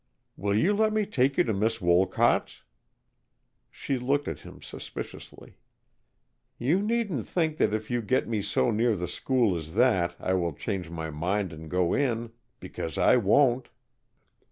"Will you let me take you to Miss Wolcott's?" She looked at him suspiciously. "You needn't think that if you get me so near the school as that, I will change my mind and go in. Because I won't."